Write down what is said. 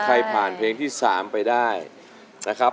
ทุกคนนี้ก็ส่งเสียงเชียร์ทางบ้านก็เชียร์